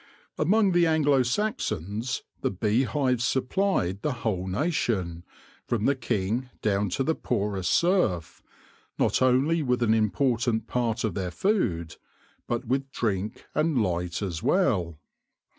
Among the Anglo Saxons the beehives supplied the whole nation, from the King down to the poorest serf, not only with an important part of their food, but with drink and light as well.